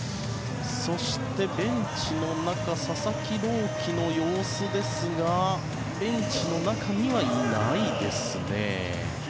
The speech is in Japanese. そして、ベンチの中佐々木朗希の様子ですがベンチの中にはいないですね。